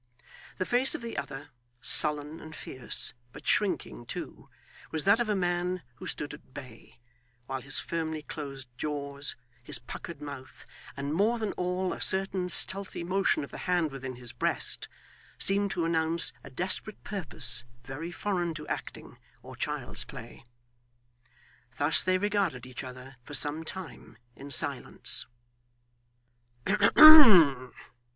The face of the other, sullen and fierce, but shrinking too, was that of a man who stood at bay; while his firmly closed jaws, his puckered mouth, and more than all a certain stealthy motion of the hand within his breast, seemed to announce a desperate purpose very foreign to acting, or child's play. Thus they regarded each other for some time, in silence.